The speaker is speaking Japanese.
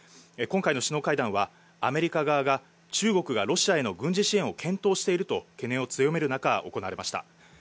今回の首脳会談は、アメリカ側が中国がロシアへの軍事支援を検討していると懸念を強める中、行われました。